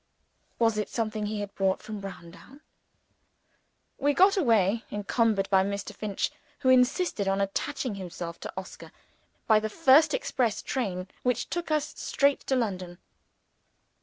Was it something he had brought from Browndown? We got away encumbered by Mr. Finch, who insisted on attaching himself to Oscar by the first express train, which took us straight to London.